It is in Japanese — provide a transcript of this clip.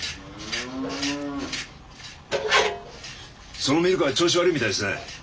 そのミルカー調子悪いみたいですね。